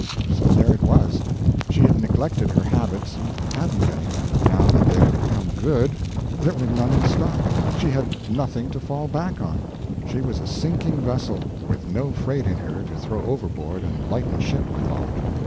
So there it was. She had neglected her habits, and hadn't any. Now that they would have come good, there were none in stock. She had nothing to fall back on. She was a sinking vessel, with no freight in her to throw overboard and lighten ship withal.